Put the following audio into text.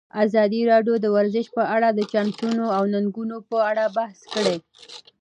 ازادي راډیو د ورزش په اړه د چانسونو او ننګونو په اړه بحث کړی.